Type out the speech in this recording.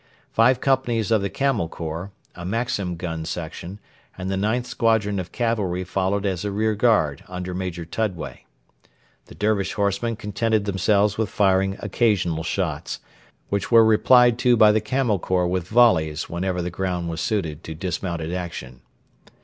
Five companies of the Camel Corps, a Maxim gun section, and the ninth squadron of cavalry followed as a rear guard under Major Tudway. The Dervish horsemen contented themselves with firing occasional shots, which were replied to by the Camel Corps with volleys whenever the ground was suited to dismounted action.